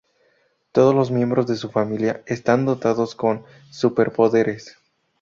Todos los miembros de su familia están dotados con superpoderes.